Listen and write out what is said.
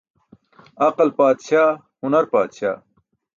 Aql paatśaa, hunar paatśaa.